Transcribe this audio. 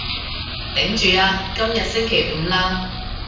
頂住啊，今日星期五喇